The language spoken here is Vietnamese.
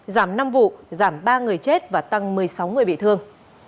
giảm năm vụ giảm ba người chết và tăng một mươi sáu người bị thương